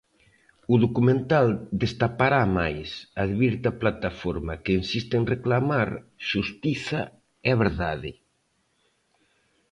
"O documental destapará máis", advirte a plataforma, que insiste en reclamar "xustiza e verdade".